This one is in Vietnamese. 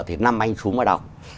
thì năm anh xuống và đọc